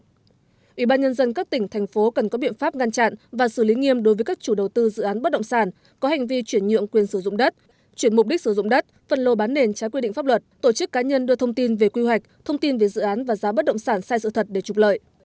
ủy ban nhân dân các tỉnh thành phố cần có biện pháp ngăn chặn và xử lý nghiêm đối với các chủ đầu tư dự án bất động sản có hành vi chuyển nhượng quyền sử dụng đất chuyển mục đích sử dụng đất phân lô bán nền trái quy định pháp luật tổ chức cá nhân đưa thông tin về quy hoạch thông tin về dự án và giá bất động sản sai sự thật để trục lợi